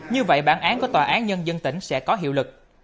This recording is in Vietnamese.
như vậy bản án của tòa án nhân dân tỉnh sẽ có hiệu lực